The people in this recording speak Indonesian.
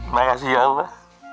makasih ya allah